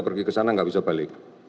pergi ke sana nggak bisa balik